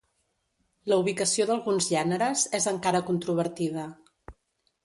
La ubicació d'alguns gèneres és encara controvertida.